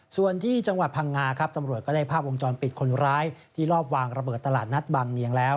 ส่วนที่จังหวัดพังงาครับตำรวจก็ได้ภาพวงจรปิดคนร้ายที่รอบวางระเบิดตลาดนัดบางเนียงแล้ว